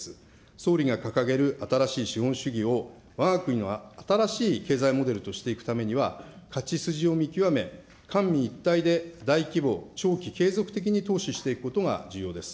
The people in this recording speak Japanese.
総理が掲げる新しい資本主義を、わが国は新しい経済モデルとしていくためには、勝ち筋を見極め、官民一体で大規模、長期、継続的に投資していくことが重要です。